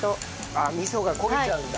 ああ味噌が焦げちゃうんだ。